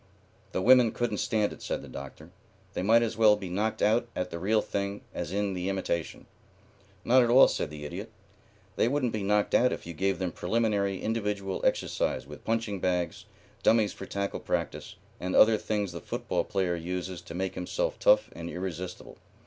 "The women couldn't stand it," said the Doctor. "They might as well be knocked out at the real thing as in the imitation." "Not at all," said the Idiot. "They wouldn't be knocked out if you gave them preliminary individual exercise with punching bags, dummies for tackle practice, and other things the football player uses to make himself tough and irresistible."